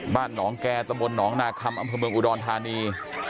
บ้านหนองแก่ตำบลหนองนาคมอำเภอเมืองอุดรธานี